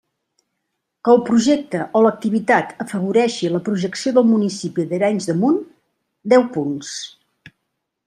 Que el projecte o l'activitat afavoreixi la projecció del municipi d'Arenys de Munt: deu punts.